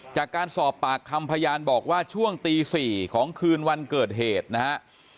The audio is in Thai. จากการสอบปากคำพยานบอกว่าช่วงตี๔ของคืนวันเกิดเหตุนะฮะ